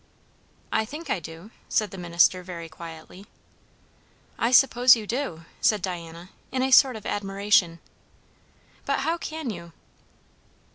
"I think I do," said the minister very quietly. "I suppose you do!" said Diana, in a sort of admiration. "But how can you?"